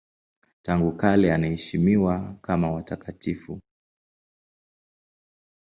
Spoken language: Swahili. Tangu kale anaheshimiwa kama watakatifu.